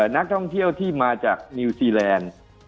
นักท่องเที่ยวที่มาจากนิวซีแลนด์